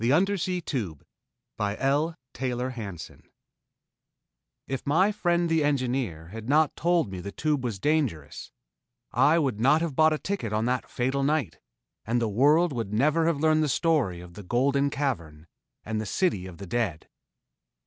Incorporated If my friend the engineer had not told me the Tube was dangerous, I would not have bought a ticket on that fatal night, and the world would never have learned the story of the Golden Cavern and the City of the Dead.